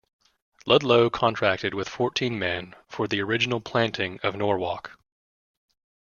Ludlow contracted with fourteen men for the original planting of Norwalk.